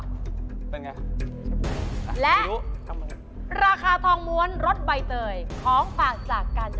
เป็นยังไง